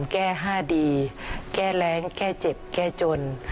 แก้๕ดีแก้แรงแก้เจ็บแก้จน